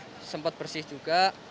jadi sudah sempat bersih juga